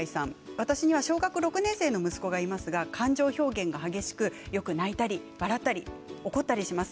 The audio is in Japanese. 私には小学６年生の息子がいますが、感情表現が激しくよく泣いたり笑ったり怒ったりします。